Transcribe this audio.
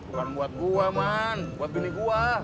bukan buat gua man buat dunia gua